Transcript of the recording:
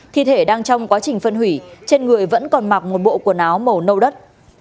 thi thể đang trong quá trình phân hủy trên người vẫn còn mặc một bộ quần áo màu nâu đất